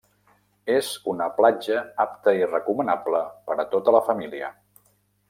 És una platja apta i recomanable per a tota la família.